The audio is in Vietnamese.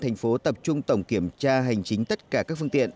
thành phố tập trung tổng kiểm tra hành chính tất cả các phương tiện